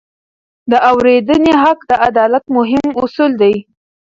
د اورېدنې حق د عدالت مهم اصل دی.